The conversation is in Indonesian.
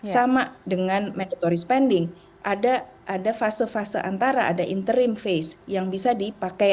sama dengan mandatory spending ada fase fase antara ada interim face yang bisa dipakai